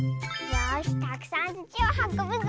よしたくさんつちをはこぶぞ。